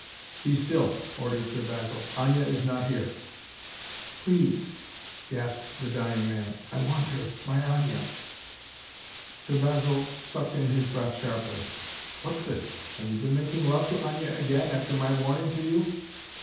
"Be still!" ordered Sir Basil. "Aña is not here." "Please!" gasped the dying man. "I want her my Aña!" Sir Basil sucked in his breath sharply. "What's this? Have you been making love to Aña again, after my warning to you?"